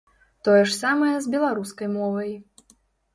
Тое ж самае з беларускай мовай.